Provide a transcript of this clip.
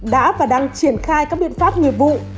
đã và đang triển khai các biện pháp nghiệp vụ